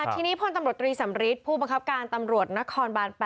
ทีนี้พลตำรวจตรีสำริทผู้บังคับการตำรวจนครบาน๘